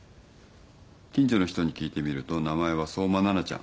近所の人に聞いてみると名前は相馬奈々ちゃん。